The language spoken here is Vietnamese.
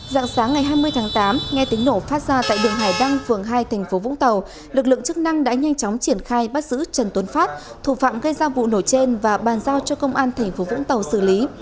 dạng sáng ngày hai mươi tháng tám nghe tiếng nổ phát ra tại đường hải đăng phường hai thành phố vũng tàu lực lượng chức năng đã nhanh chóng triển khai bắt giữ trần tuấn phát thủ phạm gây ra vụ nổ trên và bàn giao cho công an tp vũng tàu xử lý